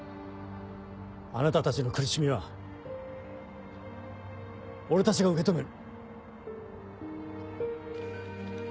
あなたたちの苦しみは俺たちが受け止める。